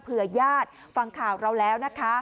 ญาติฟังข่าวเราแล้วนะคะ